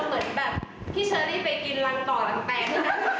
พี่เชอร์รี่ไปกินรังกรหลังแปด